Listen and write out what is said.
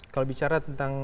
kalau bicara tentang